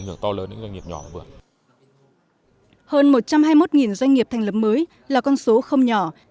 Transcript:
hơn một trăm hai mươi một doanh nghiệp thành lập mới là con số không nhỏ